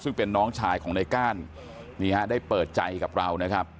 ซึ่งเป็นน้องชายของในก้านนี่ฮะได้เปิดใจกับเรานะครับ